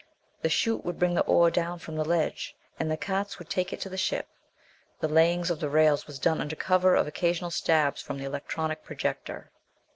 The chute would bring the ore down from the ledge, and the carts would take it to the ship. The laying of the rails was done under cover of occasional stabs from the electronic projector.